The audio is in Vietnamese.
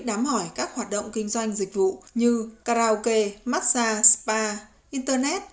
đám hỏi các hoạt động kinh doanh dịch vụ như karaoke massage spa internet